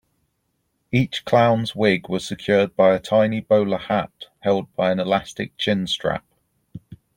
Each clown's wig was secured by a tiny bowler hat held by an elastic chin-strap.